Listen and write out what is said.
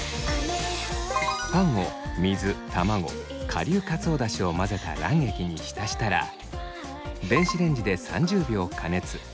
パンを水卵顆粒かつおだしを混ぜた卵液に浸したら電子レンジで３０秒加熱。